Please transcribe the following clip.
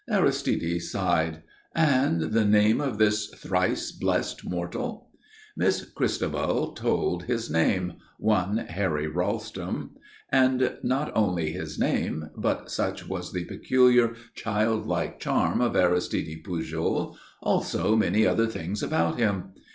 Aristide sighed. "And the name of this thrice blessed mortal?" Miss Christabel told his name one Harry Ralston and not only his name, but, such was the peculiar, childlike charm of Aristide Pujol, also many other things about him.